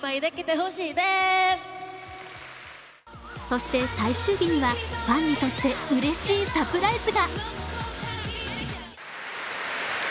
そして最終日にはファンにとってうれしいサプライズが。